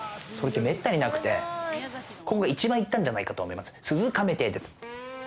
めったになくてここが一番いったんじゃないかと思います、鈴亀亭です。